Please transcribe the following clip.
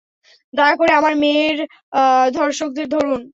দয়া করে আমার মেয়ের ধর্ষকদের ধরুন।